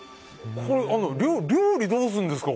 料理、どうするんですか。